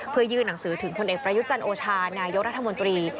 เพื่อยื่นหนังสือถึงผลเอกประยุจันทร์โอชานายกรัฐมนตรี